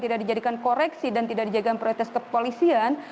tidak dijadikan koreksi dan tidak dijaga protes kepolisian